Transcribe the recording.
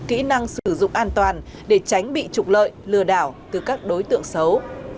kỹ năng sử dụng an toàn để tránh bị trục lợi lừa đảo từ các đối tượng xấu